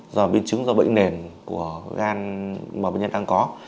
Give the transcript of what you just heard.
do biến chứng do bệnh nền của gan mà bệnh nhân đang có